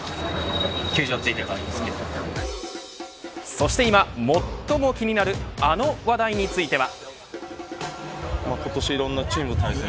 そして今、最も気になるあの話題については。